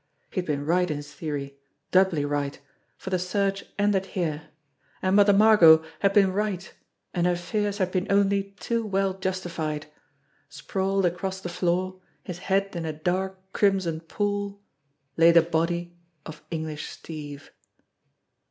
He had been right in his theory, doubly right, for the search ended here ; and Mother Margot had been right, and her fears had been only too well justified ! Sprawled across the floor, his head in a dark, crimson pool, lay the body of English Steve.